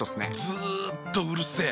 ずっとうるせえ。